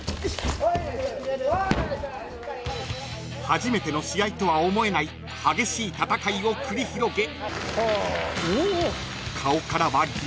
［初めての試合とは思えない激しい戦いを繰り広げ］